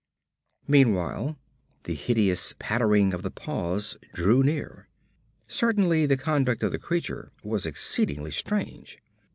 Meanwhile the hideous pattering of the paws drew near. Certainly, the conduct of the creature was exceedingly strange.